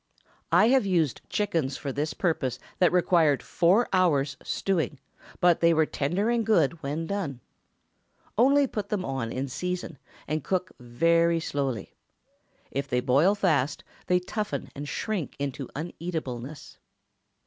I have used chickens for this purpose that required four hours stewing, but they were tender and good when done. Only put them on in season, and cook very slowly. If they boil fast, they toughen and shrink into uneatableness.